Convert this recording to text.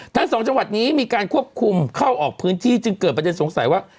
ทั้งสองจังหวัดนี้มีการควบคุมเข้าออกพื้นที่จึงเกิดประเด็นสงสัยว่า